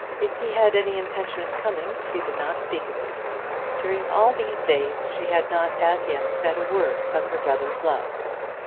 If he had any intention of coming, she did not speak of it. During all these days she had not as yet said a word of her brother's love.